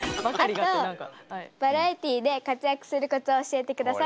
あとバラエティーで活躍するコツを教えてください。